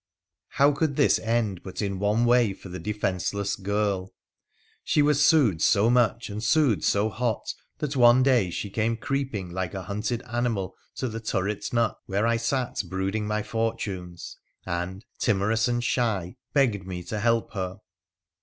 How could this end but in one way for the defenceless a 82 WONDERFUL ADVENTURES OF girl ? She was sued so much and sued so hot that one daj she came creeping like a hunted animal to the turret nool where I sat brooding my fortunes, and, timorous and shy begged me to help her.